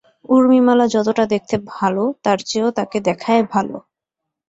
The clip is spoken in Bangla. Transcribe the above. ঊর্মিমালা যতটা দেখতে ভালো তার চেয়েও তাকে দেখায় ভালো।